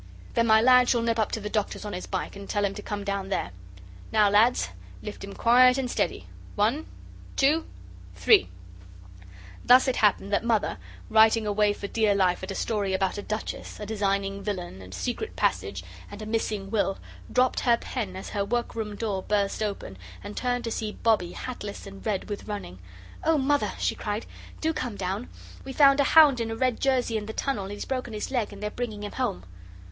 "Then my lad shall nip up to Doctor's on his bike, and tell him to come down there. Now, lads, lift him quiet and steady. One, two, three!" Thus it happened that Mother, writing away for dear life at a story about a Duchess, a designing villain, a secret passage, and a missing will, dropped her pen as her work room door burst open, and turned to see Bobbie hatless and red with running. "Oh, Mother," she cried, "do come down. We found a hound in a red jersey in the tunnel, and he's broken his leg and they're bringing him home."